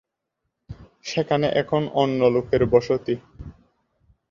সেখানে এখন অন্য লোকের বসতি।